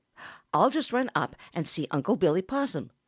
"I'll just run up and see Uncle Billy Possum!"